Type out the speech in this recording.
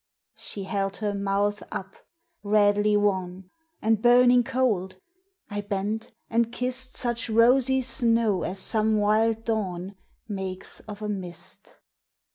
She held her mouth up redly wan, And burning cold, I bent and kissed Such rosy snow as some wild dawn Makes of a mist.